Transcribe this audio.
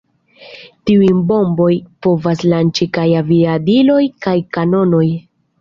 Tiujn bombojn povas lanĉi kaj aviadiloj kaj kanonoj.